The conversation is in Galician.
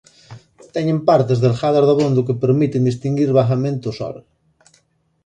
Teñen partes delgadas dabondo que permiten distinguir vagamente o Sol.